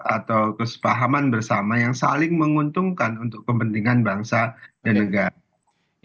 atau kesepahaman bersama yang saling menguntungkan untuk kepentingan bangsa dan negara